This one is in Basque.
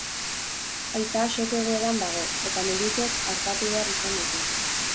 Aita shock egoeran dago eta medikuek artatu behar izan dute.